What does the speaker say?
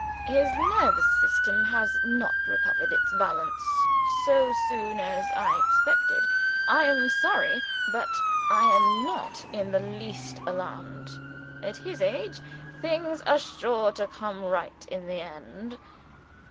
His nervous system has not recovered its balance so soon as I expected. I am sorry but I am not in the least alarmed. At his age, things are sure to come right in the end.